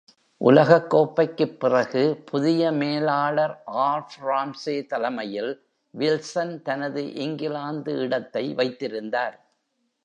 உலகக் கோப்பைக்குப் பிறகு, புதிய மேலாளர் ஆல்ஃப் ராம்சே தலைமையில் வில்சன் தனது இங்கிலாந்து இடத்தை வைத்திருந்தார்.